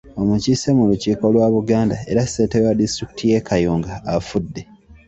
Omukiise mu lukiiko lwa Buganda era ssentebe wa disitulikiti ye Kayunga afudde.